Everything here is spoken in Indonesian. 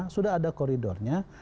sudah ada koridornya